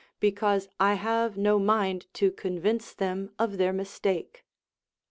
Because I have no mind to convince them of their mistake.